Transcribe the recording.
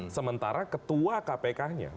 sementara ketua kpknya